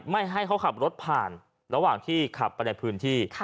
ไม่ให้เขาขับรถผ่านระหว่างที่ขับไปในพื้นที่